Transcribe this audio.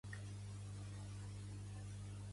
La seva influència en la meva persona és enorme.